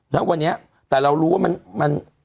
ในวันนี้แต่เรารู้ว่า